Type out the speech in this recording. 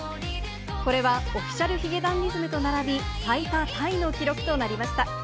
これは、オフィシャル髭男ｄｉｓｍと並び、最多タイの記録となりました。